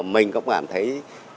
mình cũng cảm thấy